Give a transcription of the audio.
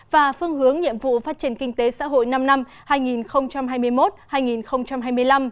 và phương hướng nhiệm vụ phát triển kinh tế xã hội năm năm hai nghìn hai mươi một hai nghìn hai mươi năm